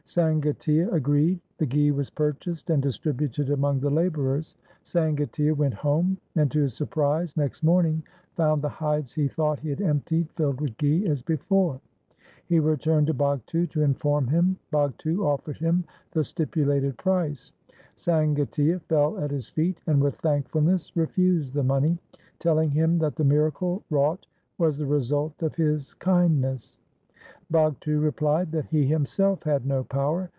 Sangatia agreed ; the ghi was purchased and distributed among the labourers. Sangatia went home, and, to his surprise, next morning found the hides he thought he had emptied filled with ghi as before. He returned to Bhagtu to inform him. Bhagtu offered him the stipulated price. Sangatia fell at his feet, and with thankfulness refused the money, telling him that the miracle wrought was the result of his kindness. Bhagtu replied that he himself had no power.